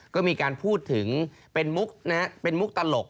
ก็มีการพูดถึงเป็นมุกเป็นมุกตลก